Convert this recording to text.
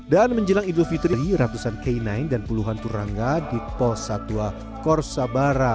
dan menjelang idul fitri ratusan kainain dan puluhan turangga di pos satwa korsabara